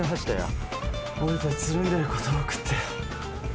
俺たちつるんでること多くって。